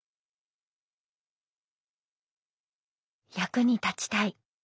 「役に立ちたい」。